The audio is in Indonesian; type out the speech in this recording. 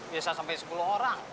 bisa sampai sepuluh orang